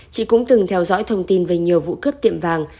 chị cũng từng theo dõi thông tin về nhiều vụ cướp tiệm vàng